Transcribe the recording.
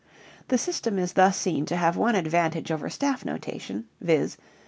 The system is thus seen to have one advantage over staff notation, viz.